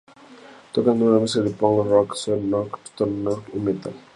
Tocan una mezcla de punk rock, southern rock, stoner rock y metal.